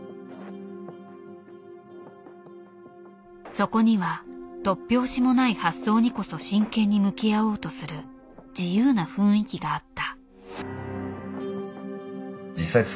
そこには突拍子もない発想にこそ真剣に向き合おうとする自由な雰囲気があった。